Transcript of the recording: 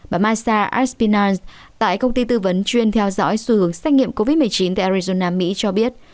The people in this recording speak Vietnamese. bà masa aspina tại công ty tư vấn chuyên theo dõi xu hướng xét nghiệm covid một mươi chín tại arizona mỹ cho biết